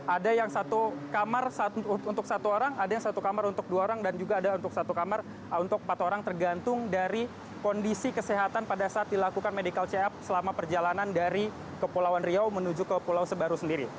ada yang satu kamar untuk satu orang ada yang satu kamar untuk dua orang dan juga ada untuk satu kamar untuk empat orang tergantung dari kondisi kesehatan pada saat dilakukan medical check up selama perjalanan dari kepulauan riau menuju ke pulau sebaru sendiri